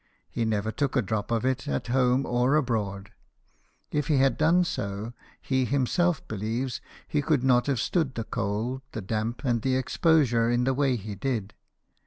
He never took a drop of it, at home or abroad. If he had done so, he himself believed, he could not have stood the cold, the damp, and the expo sure in the way he did.